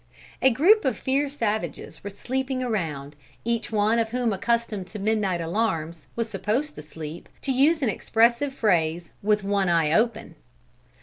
A group of fierce savages were sleeping around, each one of whom accustomed to midnight alarms, was supposed to sleep, to use an expressive phrase, "with one eye open."